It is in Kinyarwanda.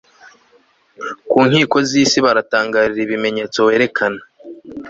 ku nkiko z'isi baratangarira ibimenyetso werekana